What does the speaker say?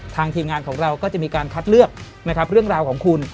ทีมงานของเราก็จะมีการคัดเลือกนะครับเรื่องราวของคุณ